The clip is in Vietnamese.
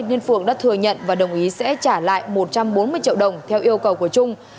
nên phượng đã thừa nhận và đồng ý sẽ trả lại một trăm bốn mươi triệu đồng theo yêu cầu của trung